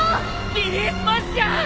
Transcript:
ビリースマッシャー！